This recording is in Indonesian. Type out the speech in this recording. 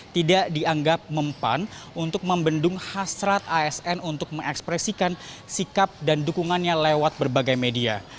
tidak dianggap mempan untuk membendung hasrat asn untuk mengekspresikan sikap dan dukungannya lewat berbagai media